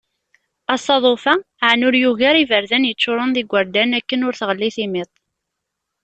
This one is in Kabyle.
Asaḍuf-a aɛni ur yugi ara iberdan yeččuren d igurdan akken ur teɣli timiṭ?